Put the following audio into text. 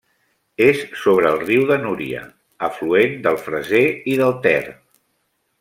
És sobre el riu de Núria, afluent del Freser i del Ter.